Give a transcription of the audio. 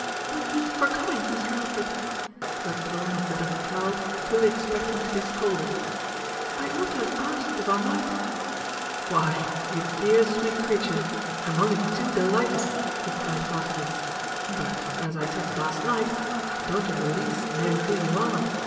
"With me for coming, Mr. Alfred." Her tone was that of a child fully expecting to be scolded. "I ought to have asked if I might." "Why, you dear, sweet creature, I'm only too de lighted," he cried heartily, "but as I said last night, I don't in the least know who you are.